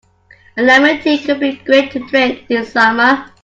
A lemon tea could be great to drink this summer.